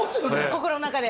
心の中で？